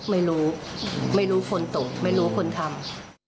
ไม่รู้ไม่รู้คนตกไม่รู้คนทำ